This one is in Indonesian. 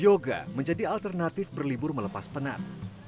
yoga menjadi alternatif berlibur melepas penat